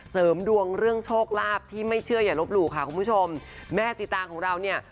เสริมดวงเรื่องโชคลาภที่ไม่เชื่ออย่าลบหลู่ค่ะคุณผู้ชมแม่สีตางของเราเนี่ย